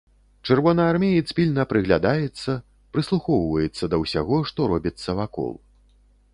Чырвонаармеец пільна прыглядаецца, прыслухоўваецца да ўсяго, што робіцца вакол.